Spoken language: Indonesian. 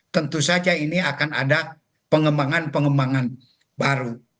tentu saja ini akan ada pengembangan pengembangan baru